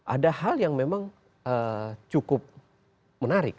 ada hal yang memang cukup menarik